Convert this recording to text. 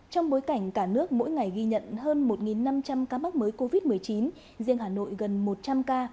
trong bối cảnh cả nước mỗi ngày ghi nhận hơn một năm trăm linh ca mắc mới covid một mươi chín riêng hà nội gần một trăm linh ca